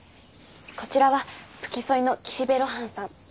こちらは付きそいの岸辺露伴さん。